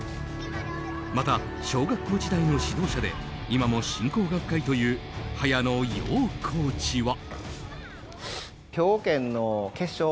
また、小学校時代の指導者で今も親交が深いという早野陽コーチは。